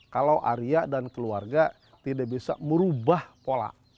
kalau arya dan keluarga tidak bisa merubah pola